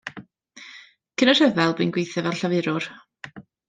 Cyn y rhyfel bu'n gweithio fel llafurwr.